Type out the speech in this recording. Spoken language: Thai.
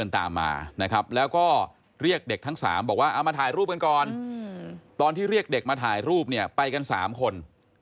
ถ่ายรูปเนี่ยไปกัน๓คน